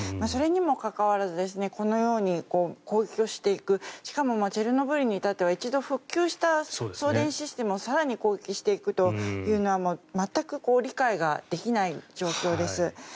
それにもかかわらずこのように攻撃をしていくしかもチェルノブイリに至っては一度復旧した送電システムを更に攻撃していくというのは全く理解ができない状況です。